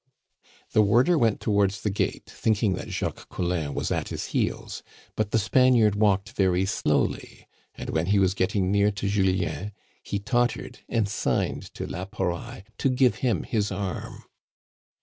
The warder went towards the gate, thinking that Jacques Collin was at his heels. But the Spaniard walked very slowly, and when he was getting near to Julien he tottered and signed to la Pouraille to give him his arm.